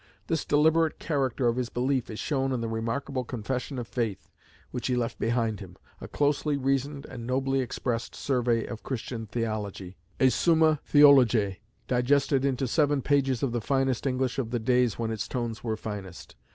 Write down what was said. This deliberate character of his belief is shown in the remarkable Confession of Faith which he left behind him: a closely reasoned and nobly expressed survey of Christian theology "a summa theologiæ, digested into seven pages of the finest English of the days when its tones were finest."